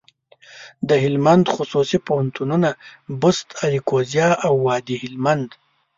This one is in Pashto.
دهلمند خصوصي پوهنتونونه، بُست، اراکوزیا او وادي هلمند.